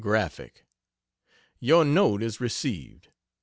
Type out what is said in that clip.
GRAPHIC, Your note is received.